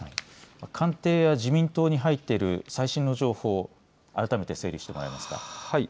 官邸や自民党に入っている最新の情報、改めて整理してもらえますか。